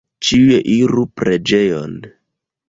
Ĉiuj iru preĝejon!